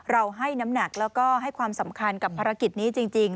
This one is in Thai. ให้น้ำหนักแล้วก็ให้ความสำคัญกับภารกิจนี้จริง